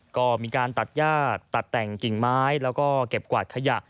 ก็มีการตัดย่าตัดแต่งกิ่งไม้แล้วก็เก็บกวาดขยะ